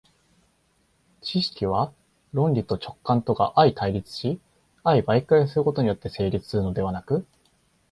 知識は論理と直覚とが相対立し相媒介することによって成立するのではなく、